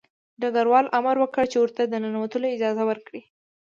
ډګروال امر وکړ چې ورته د ننوتلو اجازه ورکړي